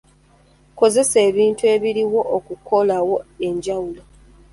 Kozesa ebintu ebiriwo okukolawo enjawulo.